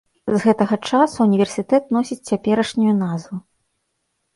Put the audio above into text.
З гэтага часу ўніверсітэт носіць цяперашнюю назву.